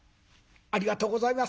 「ありがとうございます。